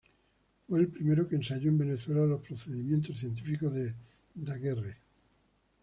Fue el primero que ensayó en Venezuela los procedimientos científicos de Daguerre.